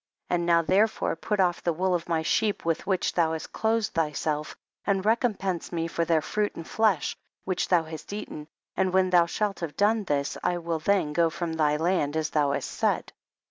And now therefoT'e, put off the wool of my sheep with which thou hast clothed thyself, and recom pense 7ne for their fruit and flesh which thou hast eaten, and when thou shalt have done this, I will then go from thy land as thou hast said